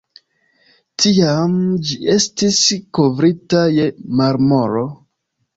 Tiam ĝi estis kovrita je marmoro.